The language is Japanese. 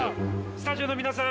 スタジオの皆さん